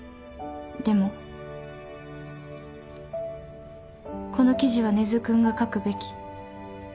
でもこの記事は根津君が書くべき。